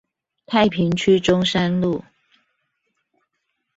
太平區中山路